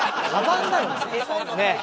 ねえ。